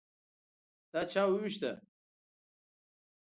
_دا چا ووېشته؟